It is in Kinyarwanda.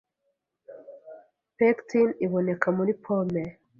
Pectin iboneka muri pome